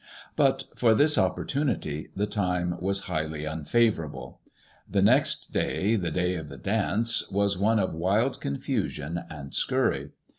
But for this opportunity, the time was highly unfavourable. The next 124 MADEMOISELLE IXE. day, the day of the dance, was one of wild confusion and scurry.